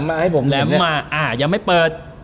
อ่ะอย่างไม่เปิด